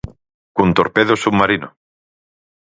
Cun torpedo submarino.